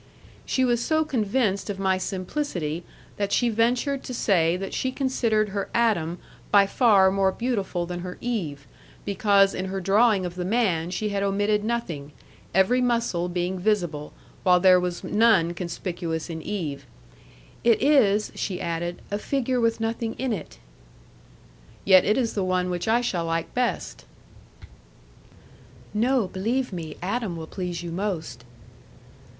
She was so convinced of my simplicity that she ventured to say that she considered her Adam by far more beautiful than her Eve, because in her drawing of the man she had omitted nothing, every muscle being visible, while there was none conspicuous in Eve. "It is," she added, "a figure with nothing in it." "Yet it is the one which I shall like best." "No; believe me, Adam will please you most."